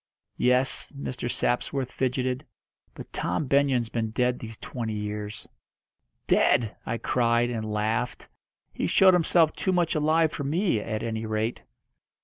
"Yes." Mr. Sapsworth fidgeted. "But Tom Benyon's been dead these twenty years." "Dead!" I cried, and laughed. "He showed himself too much alive for me, at any rate."